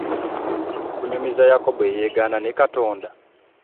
Kunyumiza Yakobo eyeggana ne Katonda .